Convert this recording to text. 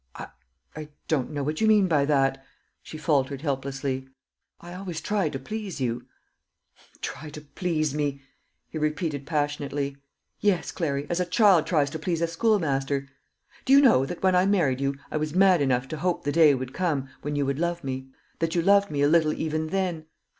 "I I don't know what you mean by that," she faltered helplessly, "I always try to please you." "Try to please me!" he repeated passionately. "Yes, Clary, as a child tries to please a schoolmaster. Do you know, that when I married you I was mad enough to hope the day would come when you would love me that you loved me a little even then?